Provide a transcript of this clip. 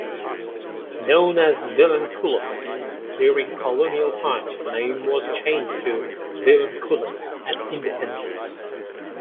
Known as "Vilanculos" during colonial times, the name was changed to "Vilankulo" at independence.